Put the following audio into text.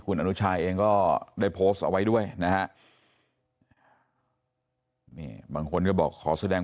คุณอนุชาเองก็ได้โพสต์เอาไว้ด้วยนะฮะนี่บางคนก็บอกขอแสดง